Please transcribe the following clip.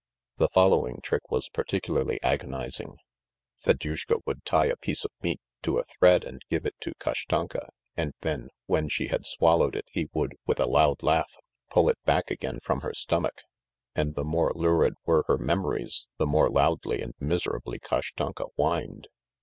. The following trick was particularly agonising: Fedyushka would tie a piece of meat to a thread and give it to Kashtanka, and then, when she had swallowed it he would, with a loud laugh, pull it back again from her stomach, and the more lurid were her memories the more loudly and miserably Kashtanka whined.